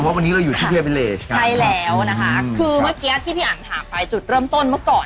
แต่ว่าวันนี้เราอยู่ใช่แล้วนะคะคือเมื่อกี้อ่ะที่พี่อันหาไปจุดเริ่มต้นเมื่อก่อน